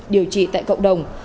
điều trị tại cộng đồng